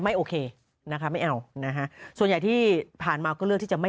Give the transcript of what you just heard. โอเคนะคะไม่เอานะฮะส่วนใหญ่ที่ผ่านมาก็เลือกที่จะไม่